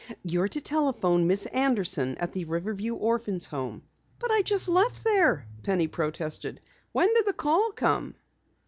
"You're to telephone Miss Anderson at the Riverview Orphans' Home." "But I just left there," Penny protested. "When did the call come?"